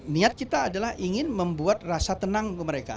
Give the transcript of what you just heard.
niat kita adalah ingin membuat rasa tenang ke mereka